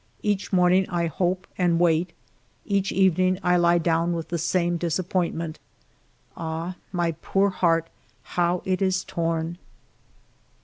Each morning I hope and wait. Each evening I lie down with the same disappointment. Ah, my poor heart, how it is torn